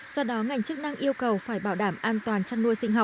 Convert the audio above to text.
do đó ngành chức năng yêu cầu phải bảo đảm an toàn chăn nuôi sinh